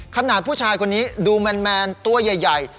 ผู้ชายคนนี้ดูแมนตัวใหญ่